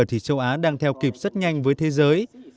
thì châu á đang theo kịp rất nhanh với thế giới